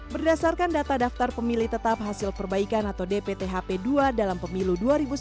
berdasarkan data daftar pemilih tetap hasil perbaikan atau dpthp dua dalam pemilu dua ribu sembilan belas